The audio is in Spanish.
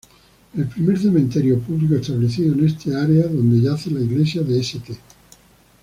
El primer cementerio público establecido en esta área donde yace la iglesia de St.